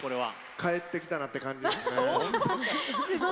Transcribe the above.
帰ってきたなって感じですね。